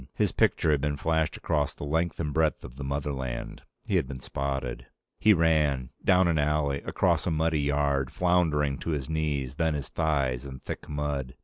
His picture had been flashed across the length and breadth of the motherland. He had been spotted. He ran. Down an alley, across a muddy yard, floundering to his knees, then his thighs, in thick mud.